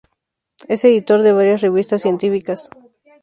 Es editor de varias revistas científicas.